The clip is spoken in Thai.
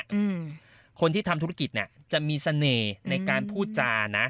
อืมคนที่ทำธุรกิจเนี้ยจะมีเสน่ห์ในการพูดจานะ